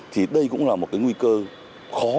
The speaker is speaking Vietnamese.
thì đây cũng là một cái nguy cơ khó